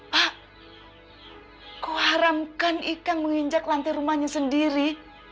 pak kau haramkan ikan menginjak lantai rumahnya sendiri